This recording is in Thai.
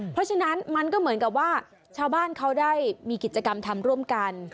เพราะฉะนั้นมันก็เหมือนกับว่าชาวบ้านเขาได้มีกิจกรรมทำร่วมกัน